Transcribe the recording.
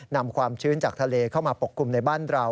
ความชื้นจากทะเลเข้ามาปกคลุมในบ้านเรา